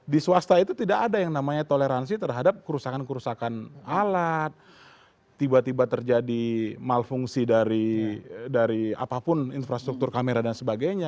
di swasta itu tidak ada yang namanya toleransi terhadap kerusakan kerusakan alat tiba tiba terjadi malfungsi dari apapun infrastruktur kamera dan sebagainya